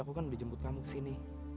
aku kan udah jemput kamu kesini